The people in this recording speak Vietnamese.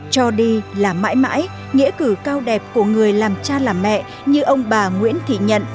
cho đi là mãi mãi nghĩa cử cao đẹp của người làm cha làm mẹ như ông bà nguyễn thị nhận